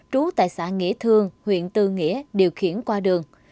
trú tại xã nghĩa thương huyện tư nghĩa điều khiển qua đường